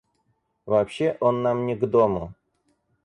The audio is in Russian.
Вообще он нам не к дому.